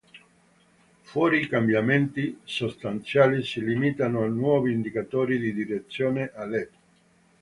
Fuori i cambiamenti sostanziali si limitano a nuovi indicatori di direzione a Led.